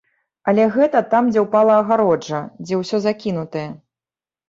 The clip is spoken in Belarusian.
Але гэта там, дзе упала агароджа, дзе ўсё закінутае.